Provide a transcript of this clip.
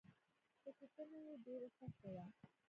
خو چي ته نه يي ډيره سخته ده